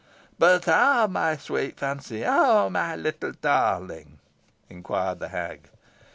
"But how, my sweet Fancy? how, my little darling?" inquired the hag.